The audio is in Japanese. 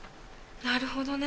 なるほどね。